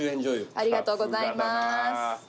ありがとうございます。